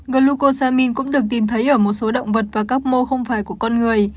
glucoxamine cũng được tìm thấy ở một số động vật và các mô không phải của con người